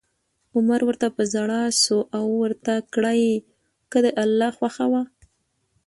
عمر ورته په ژړا شو او ورته کړه یې: که د الله خوښه وه